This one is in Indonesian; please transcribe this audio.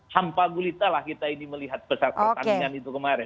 sampah gulitalah kita ini melihat pesat pertandingan itu kemarin